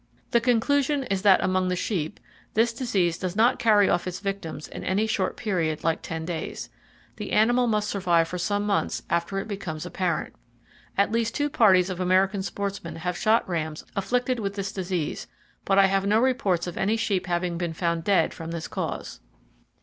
The conclusion is that among the sheep, this disease does not carry off its victims in any short period like 10 days. The animal must survive for some months after it becomes apparent. At least two parties of American sportsmen have shot rams afflicted with this disease, but I have no reports of any sheep having been found dead from this cause.